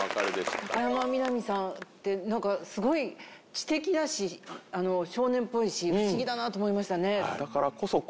高山みなみさんってなんかスゴい知的だし少年っぽいし不思議だなと思いましたね。